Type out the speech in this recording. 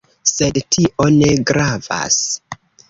Sed tio ne gravas